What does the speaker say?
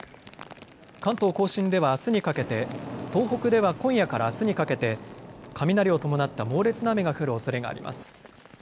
関東甲信ではあすにかけて東北では今夜からあすにかけて雷を伴った猛烈な雨が降るおそれがあります。